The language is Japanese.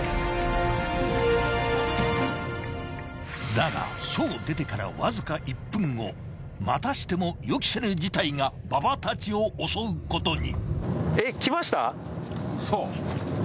［だが署を出てからわずか１分後またしても予期せぬ事態が馬場たちを襲うことに］